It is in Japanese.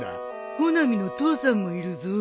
穂波の父さんもいるぞ？